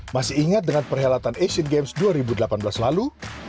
masih ingat dengan perhelatan asian games dua ribu delapan belas lalu